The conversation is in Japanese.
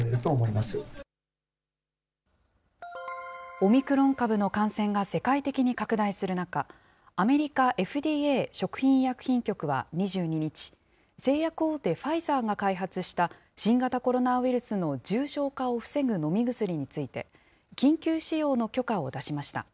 オミクロン株の感染が世界的に拡大する中、アメリカＦＤＡ・食品医薬品局は２２日、製薬大手、ファイザーが開発した新型コロナウイルスの重症化を防ぐ飲み薬について、緊急使用の許可を出しました。